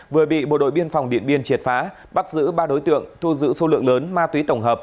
vừa bị bộ đội biên phòng điện biên triệt phá bắt giữ ba đối tượng thu giữ số lượng lớn ma túy tổng hợp